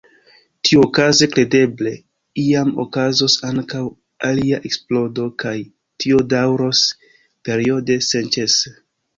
Tiuokaze, kredeble, iam okazos ankaŭ alia eksplodo kaj tio daŭros periode, senĉese.